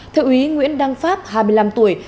thượng úy nguyễn đăng pháp hai mươi năm tuổi